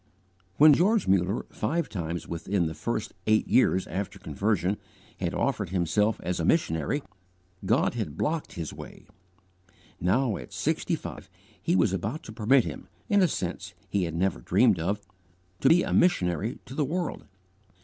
_ When George Muller, five times within the first eight years after conversion, had offered himself as a missionary, God had blocked his way; now, at sixty five, He was about to permit him, in a sense he had never dreamed of, to be a missionary to the world.